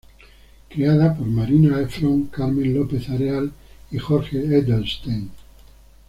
Creada por Marina Efron, Carmen López-Areal y Jorge Edelstein.